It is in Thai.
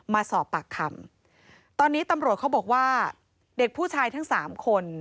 มาสอบปากคำตอนนี้ตำรวจเขาบอกว่าเด็กผู้ชายทั้งสามคน